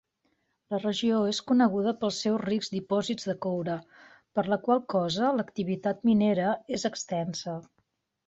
La regió és coneguda pels seus rics dipòsits de coure, per la qual cosa l'activitat minera és extensa.